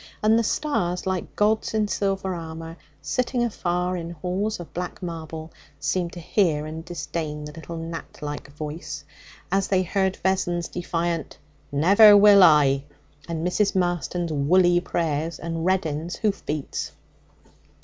And the stars, like gods in silver armour sitting afar in halls of black marble, seemed to hear and disdain the little gnat like voice, as they heard Vessons' defiant 'Never will I!' and Mrs. Marston's woolly prayers, and Reddin's hoof beats.